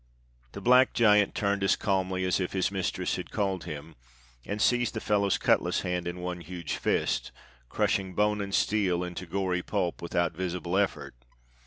The black giant turned as calmly as if his mistress had called him, and seized the fellow's cutlas hand in one huge fist, crushing bone and steel into gory pulp without visible effort.